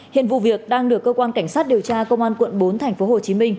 hiện vụ việc đang được cơ quan cảnh sát điều tra công an quận bốn tp hcm